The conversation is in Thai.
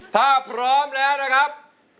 ถ้าพร้อมแล้วนะครับ